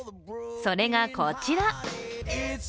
それがこちら。